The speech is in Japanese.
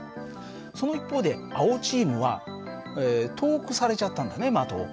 その一方で青チームは遠くされちゃったんだね的を。